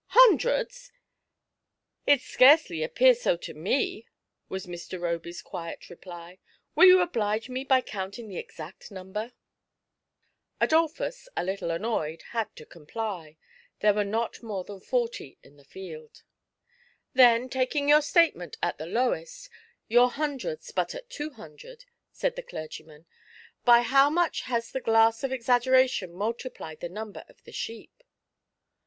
Hundreds ! it scarcely appears so to me," was Mr. Roby's quiet reply ;'* will you oblige me by counting the exact number ?" Adolphus, a little annoyed, had to comply; there w^ere not more than fortv in the field. " Then, taking your statement at the lowest^ your hundreds but at two hundred," said the dei^gyman, " by how much has the glass of exaggeration multiplied the number of the sheep